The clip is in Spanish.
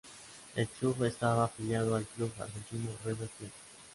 El club estaba afiliado al club argentino River Plate.